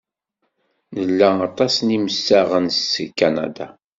Nla aṭas n yimsaɣen seg Kanada.